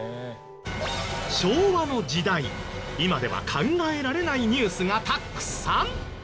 昭和の時代今では考えられないニュースがたくさん！